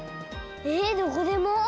えどこでも？